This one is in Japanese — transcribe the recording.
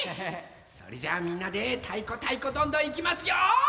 それじゃあみんなで「たいこたいこどんどん」いきますよ！